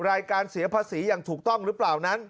รายการเสียภาษีอย่างถูกต้องหรือเปล่านั้น